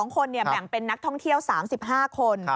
๒คนแบ่งเป็นนักท่องเที่ยว๓๕คน